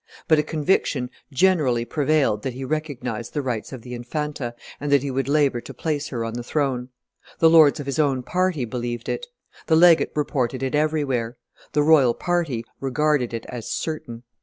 ... But a conviction generally prevailed that he recognized the rights of the Infanta, and that he would labor to place her on the throne. The lords of his own party believed it; the legate reported it everywhere; the royal party regarded it as certain.